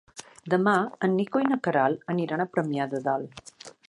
Demà en Nico i na Queralt aniran a Premià de Dalt.